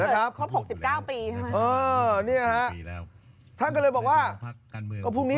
วันเกิดคน๖๙ปี